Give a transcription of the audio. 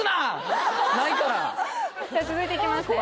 じゃあ続いていきますねああ